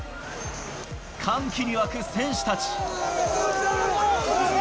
歓喜に沸く選手たち。